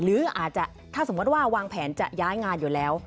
หรืออาจจะถ้าสมมุติว่าวางแผนจะย้ายงานอยู่แล้ว